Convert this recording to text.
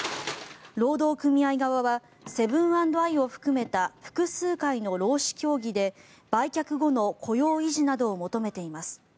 労働組合側はセブン＆アイを含めた複数回の労使協議で売却後の雇用維持などを求めています。